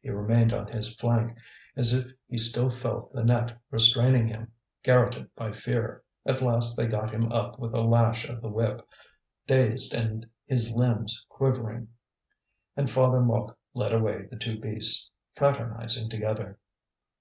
He remained on his flank, as if he still felt the net restraining him, garrotted by fear. At last they got him up with a lash of the whip, dazed and his limbs quivering. And Father Mouque led away the two beasts, fraternizing together.